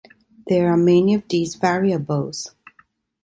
There are many of these variables.